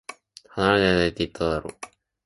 離れないでって、言っただろ